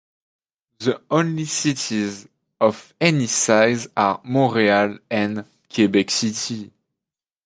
The only cities of any size are Montreal and Quebec City.